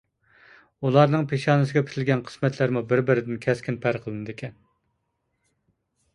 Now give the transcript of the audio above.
ئۇلارنىڭ پېشانىسىگە پۈتۈلگەن قىسمەتلەرمۇ بىر-بىرىدىن كەسكىن پەرقلىنىدىكەن.